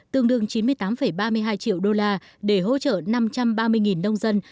tương đương chín mươi tám ba mươi hai triệu đô la để hỗ trợ năm trăm ba mươi nông dân